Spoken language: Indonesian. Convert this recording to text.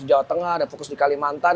di jawa tengah ada yang fokus di kalimantan